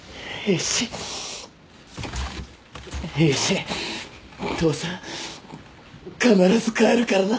エイジ父さん必ず帰るからな。